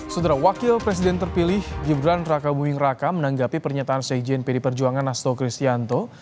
sudara wakil presiden terpilih gibran raka buming raka menanggapi pernyataan sejien peri perjuangan hasto kristianto